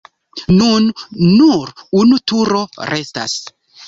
Nun nur unu turo restas.